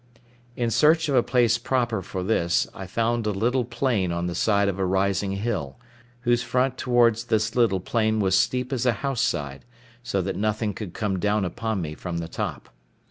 In search of a place proper for this, I found a little plain on the side of a rising hill, whose front towards this little plain was steep as a house side, so that nothing could come down upon me from the top.